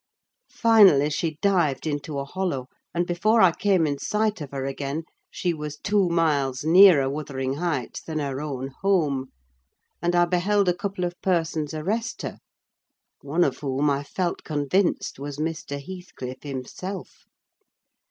Finally, she dived into a hollow; and before I came in sight of her again, she was two miles nearer Wuthering Heights than her own home; and I beheld a couple of persons arrest her, one of whom I felt convinced was Mr. Heathcliff himself.